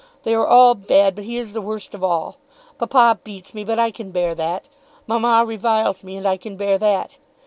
They are all bad, but he is the worst of all. Papa beats me, but I can bear that. Mamma reviles me and I can bear that.